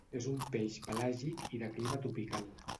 És un peix pelàgic i de clima tropical.